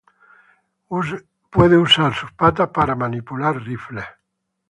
Él puede usar sus patas para manipular rifles.